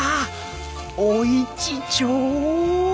おいちちょう！